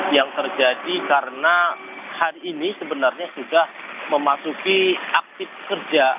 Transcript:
yang terjadi karena hari ini sebenarnya sudah memasuki aktif kerja